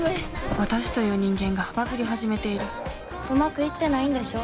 私という人間がバグり始めているうまくいってないんでしょ？